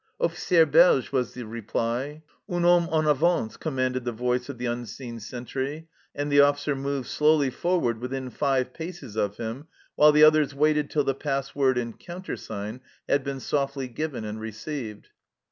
" Officier Beige," was the reply. " Un homme en avance," commanded the voice of the unseen sentry, and the officer moved slowly forward within five paces of him, while the others waited till the password and countersign had been softly given and received.